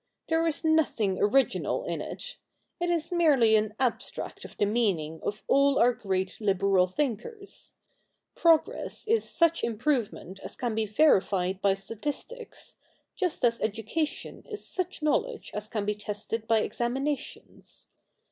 There is nothing original in it — it is merely an abstract of the meaning of all our great liberal thinkers — progress is such improvement as can be verified by statistics, just as education is such knowledge as can be tested by examinations.